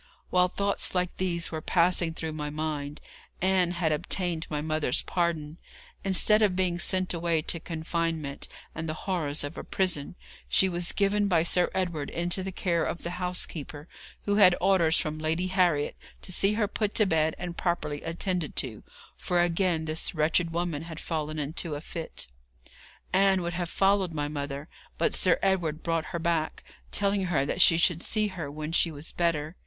While thoughts like these were passing through my mind, Ann had obtained my mother's pardon. Instead of being sent away to confinement and the horrors of a prison, she was given by Sir Edward into the care of the housekeeper, who had orders from Lady Harriet to see her put to bed and properly attended to, for again this wretched woman had fallen into a fit. Ann would have followed my mother, but Sir Edward brought her back, telling her that she should see her when she was better.